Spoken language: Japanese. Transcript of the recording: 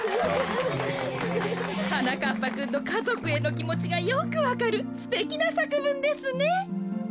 はなかっぱくんのかぞくへのきもちがよくわかるすてきなさくぶんですね。